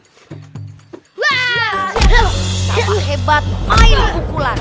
satu hebat main pukulan